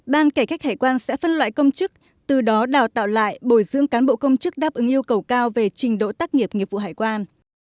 ban cải cách hải quan sẽ phân loại công chức từ đó đào tạo lại bồi dưỡng cán bộ công chức đáp ứng yêu cầu cao về trình độ tác nghiệp nghiệp vụ hải quan